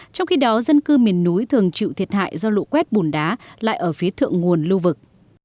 trong khi đó dân cư miền núi thường chịu thiệt hại do lũ quét bùn đá lại ở phía thượng nguồn lưu vực